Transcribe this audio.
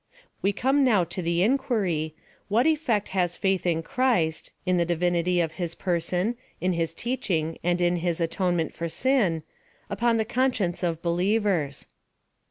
We come now to the inquiry. What effect has faith in Christ — in the divinity of his 'person^ in his teaching J and in his atonement for sin — upon the conscience of believers